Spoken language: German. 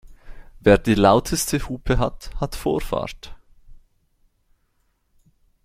Wer die lauteste Hupe hat, hat Vorfahrt.